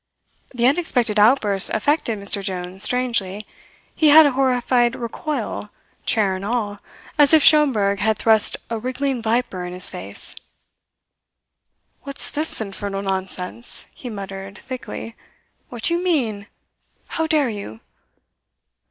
The unexpected outburst affected Mr. Jones strangely. He had a horrified recoil, chair and all, as if Schomberg had thrust a wriggling viper in his face. "What's this infernal nonsense?" he muttered thickly. "What do you mean? How dare you?"